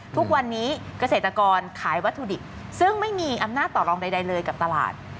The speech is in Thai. ทุกวันนี้เกษตรกรขายวัตถุดิบซึ่งไม่มีอำนาจต่อรองใดเลยกับตลาด